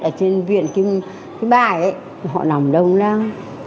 ở trên viện cái bài ấy họ nằm đông lắm